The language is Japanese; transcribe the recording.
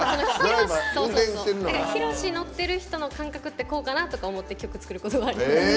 ひろし乗ってる人の感覚ってこうかなとか思って曲作るときはあります。